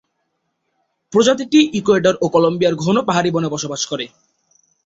প্রজাতিটি ইকুয়েডর ও কলম্বিয়ার ঘন পাহাড়ি বনে বসবাস করে।